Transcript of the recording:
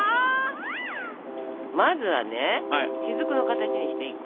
まずはねしずくの形にして１個。